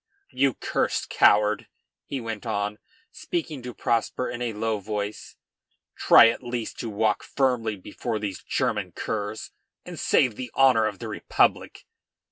"You cursed coward!" he went on, speaking to Prosper in a low voice, "try at least to walk firmly before these German curs, and save the honor of the Republic."